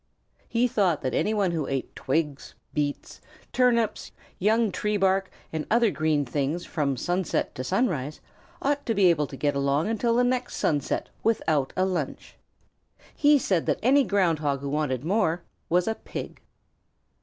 He thought that any one who ate twigs, beets, turnips, young tree bark, and other green things from sunset to sunrise ought to be able to get along until the next sunset without a lunch. He said that any Ground Hog who wanted more was a Pig.